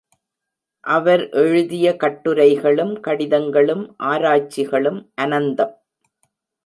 அவர் எழுதிய கட்டுரைகளும், கடிதங்களும், ஆராய்ச்சிகளும் அனந்தம்.